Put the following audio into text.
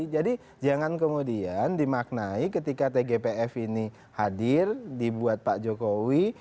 jadi jangan kemudian dimaknai ketika tgpf ini hadir dibuat pak jokowi